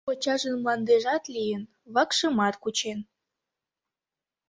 Кочажын мландыжат лийын, вакшымат кучен.